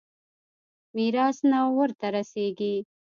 ميراث نه ورته رسېږي.